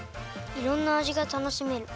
いろんなあじがたのしめる。